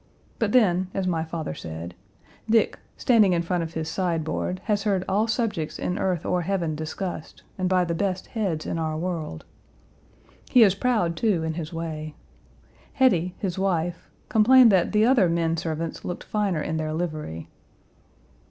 But then, as my father said, Dick, standing in front of his sideboard, has heard all subjects in earth or heaven discussed, and by the best heads in our world. He is proud, too, in his way. Hetty, his wife, complained that the other men servants looked finer in their livery.